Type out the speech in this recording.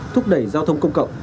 thúc đẩy giao thông công cộng